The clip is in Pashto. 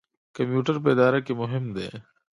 کمپیوټر په اداره کې مهم دی